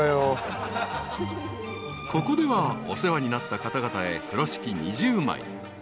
［ここではお世話になった方々へ風呂敷２０枚］